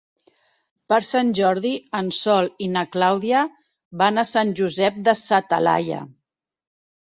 Per Sant Jordi en Sol i na Clàudia van a Sant Josep de sa Talaia.